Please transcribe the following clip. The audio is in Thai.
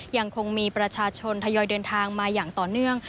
ยังคงมีประชาชนทยอยเดินทางมาอย่างต่อเนื่อง